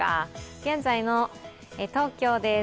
現在の東京です。